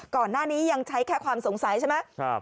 ก่อนหน้านี้ยังใช้แค่ความสงสัยใช่ไหม